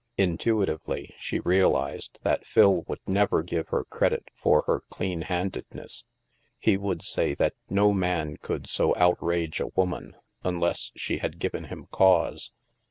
Intuitively, she realized that Phil would never give her credit for her clean handed ness; he would say that no man could so outrage THE MAELSTROM 169 a woman unless she had given him cause.